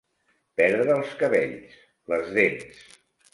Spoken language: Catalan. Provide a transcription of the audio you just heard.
Perdre els cabells, les dents.